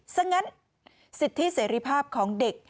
ซะงั้นสิทธิเสรีภาพของเด็ก